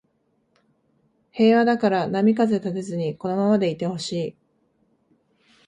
平和だから波風立てずにこのままでいてほしい